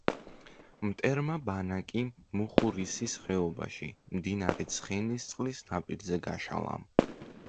მტერმა ბანაკი მუხურისის ხეობაში, მდინარე ცხენისწყლის ნაპირზე გაშალა.